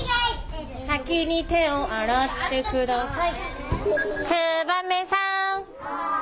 先に手を洗って下さい。